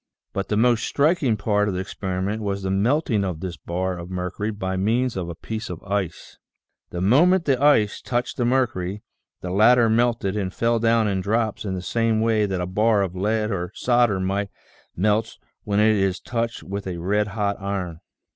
But the most striking part of the experiment was the melting of this bar of mercury by means of a piece of ice. The moment the ice touched the mercury, the latter melted and fell down in drops in the same way that a bar of lead or solder melts when it is touched with a red hot iron.